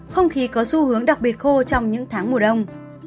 không khí có xu hướng đặc biệt khô trong những tháng mùa đông